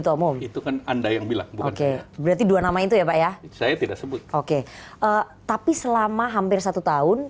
tapi selama hampir satu tahun